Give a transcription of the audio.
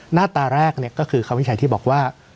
หน้าตาแรกก็คือคำวิจัยที่บอกว่า